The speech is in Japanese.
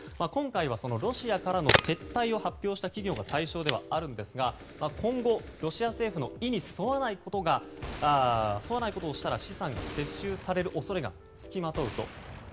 今回はロシアからの撤退を発表した企業が対象ではあるんですが今後、ロシア政府の意に沿わないことをしたら資産が接収される恐れがつきまとうと。